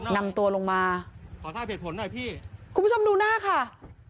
นำตัวลงมาคุณผู้ชมดูหน้าค่ะ